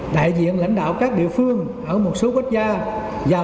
đại diện lãnh đạo các địa phương ở một số quốc gia